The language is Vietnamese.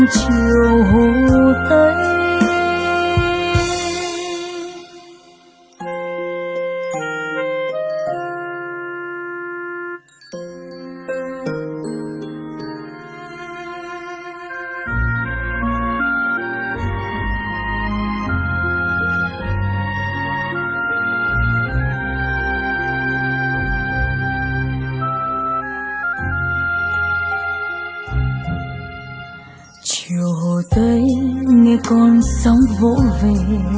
chiều hồ tây nghe con sóng vỗ về